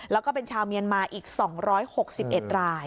แล้วก็เป็นชาวเมียนมาอีก๒๖๑ราย